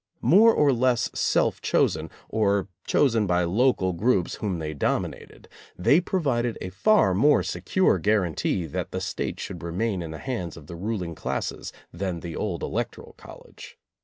More or less self chosen, or chosen by lo cal groups whom they dominated, they provided a far more secure guarantee that the State should remain in the hands of the ruling classes than the old electoral college.